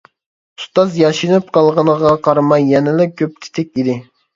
ئۇستاز ياشىنىپ قالغىنىغا قارىماي يەنىلا كۆپ تېتىك ئىدى.